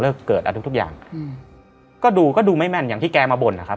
เกิดอะไรทุกทุกอย่างอืมก็ดูก็ดูไม่แม่นอย่างที่แกมาบ่นนะครับ